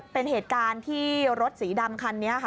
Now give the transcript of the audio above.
เป็นเหตุการณ์ที่รถสีดำคันนี้ค่ะ